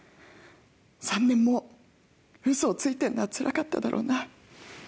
３年も嘘をついてんのはつらかっただろうな。